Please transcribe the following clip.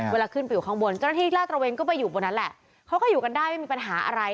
เวลาขึ้นไปอยู่ข้างบนเจ้าหน้าที่ลาดตระเวนก็ไปอยู่บนนั้นแหละเขาก็อยู่กันได้ไม่มีปัญหาอะไร